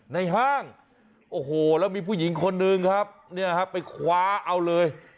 ห้างโอ้โหแล้วมีผู้หญิงคนนึงครับเนี่ยฮะไปคว้าเอาเลย